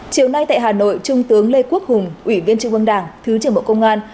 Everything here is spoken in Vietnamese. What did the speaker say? chiều nay tại hà nội trung tướng lê quốc hùng ủy viên trung ương đảng thứ trưởng bộ công an